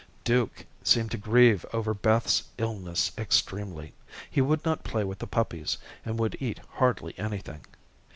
Duke seemed to grieve over Beth's illness extremely. He would not play with the puppies, and would eat hardly anything.